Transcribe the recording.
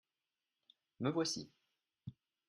me voici.